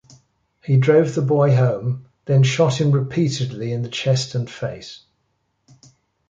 He drove the boy home, then shot him repeatedly in the chest and face.